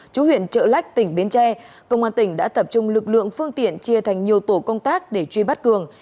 chú huyện trợ lách tỉnh bến tre công an tỉnh đã tập trung lực lượng phương tiện chia thành nhiều tổ công tác để truy bắt cường